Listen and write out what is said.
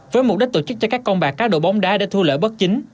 với mục đích tổ chức cho các con bạc cá độ bóng đá để thu lỡ bất chính